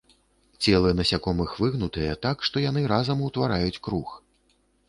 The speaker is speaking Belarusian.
Целы насякомых выгнутыя так, што яны разам утвараюць круг.